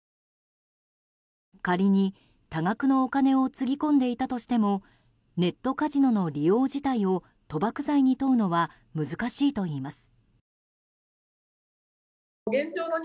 仮に多額のお金をつぎ込んでいたとしてもネットカジノの利用自体を賭博罪に問うのは難しいといいます。